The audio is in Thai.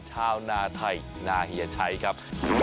ชาวนาไทยนาเฮียชัยครับ